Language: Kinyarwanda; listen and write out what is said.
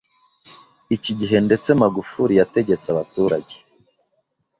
iki gihe ndetse Magufuli yategetse abaturage